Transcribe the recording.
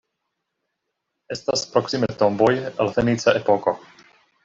Estas proksime tomboj el fenica epoko.